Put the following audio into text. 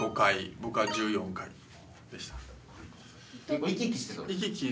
僕は１４階でした。